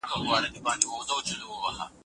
د ټینېس لوبه د فزیکي ځواک لپاره ګټوره ده.